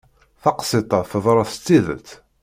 Taqsiṭ-a teḍra s tidet.